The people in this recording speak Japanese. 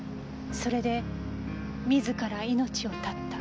それで自ら命を絶った。